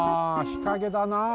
日陰だなあ。